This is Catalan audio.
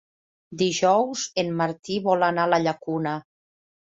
Dijous en Martí vol anar a la Llacuna.